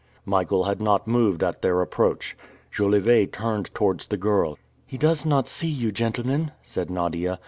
Michael had not moved at their approach. Jolivet turned towards the girl. "He does not see you, gentlemen," said Nadia.